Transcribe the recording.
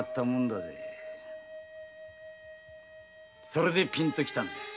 それでピンときた。